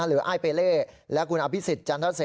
หรือไอ้เปเล่และคุณอภิษฐ์จันทะเซ